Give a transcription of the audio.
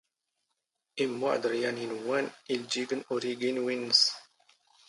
ⵉⵎⵎⵓⵄⴷⵔ ⵢⴰⵏ ⵉⵏⵡⵡⴰⵏ ⵉⵍⴷⵊⵉⴳⵏ ⵓⵔ ⵉⴳⵉⵏ ⵡⵉⵏⵏⵙ